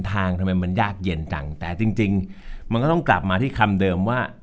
ทำไมมันยากเย็นจังแต่จริงมันก็ต้องกลับมาที่คำเดิมว่า